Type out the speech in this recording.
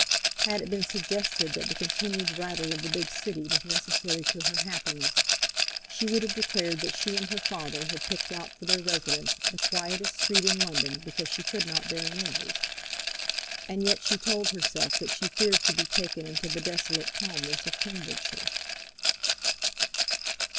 Had it been suggested that the continued rattle of the big city was necessary to her happiness, she would have declared that she and her father had picked out for their residence the quietest street in London because she could not bear noise; and yet she told herself that she feared to be taken into the desolate calmness of Cambridgeshire.